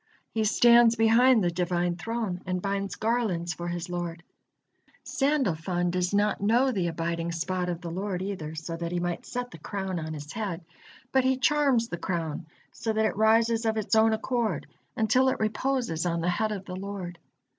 He stands behind the Divine Throne and binds garlands for his Lord. Sandalfon does not know the abiding spot of the Lord either, so that he might set the crown on His head, but he charms the crown, so that it rises of its own accord until it reposes on the head of the Lord.